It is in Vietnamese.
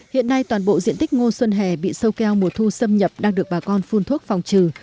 hiện nay toàn bộ diện tích ngô xuân hè bị sâu keo mùa thu xâm nhập đang được bà con phun thuốc phòng trừ